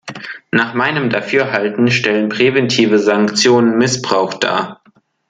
Nach meinem Dafürhalten stellen präventive Sanktionen Missbrauch dar.